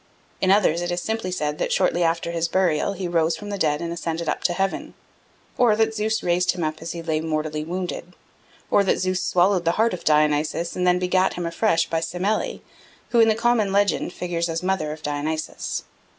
In others it is simply said that shortly after his burial he rose from the dead and ascended up to heaven; or that Zeus raised him up as he lay mortally wounded; or that Zeus swallowed the heart of Dionysus and then begat him afresh by Semele, who in the common legend figures as mother of Dionysus.